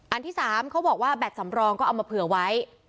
อันที่๓เขาบอกว่าแบตสำรองก็เอามาเผื่อไว้